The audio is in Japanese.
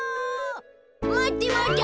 まってまって。